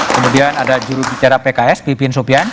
kemudian ada jurubicara pks pipin sopian